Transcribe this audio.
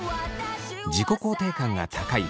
自己肯定感が高い